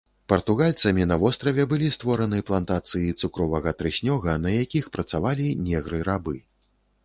Партугальцамі на востраве былі створаны плантацыі цукровага трыснёга, на якіх працавалі негры-рабы.